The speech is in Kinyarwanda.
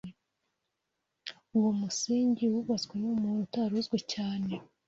Uwo musingi wubatswe n’umuntu utari uzwi cyane.